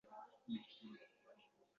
Men otam farzandiman